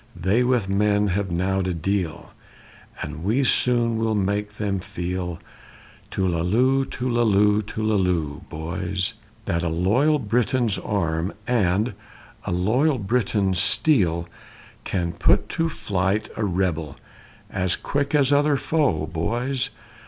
They with men have now to deal, And we soon will make them feel Tullalo, tullalo, tullalo, boys! That a loyal Briton's arm, and a loyal Briton's steel, Can put to flight a rebel, as quick as other foe, boys!